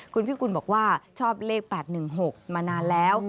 คุณพิกุลบอกว่าชอบเลข๘๑๖มานานแล้ว